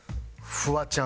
フワちゃん。